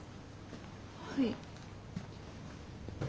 はい。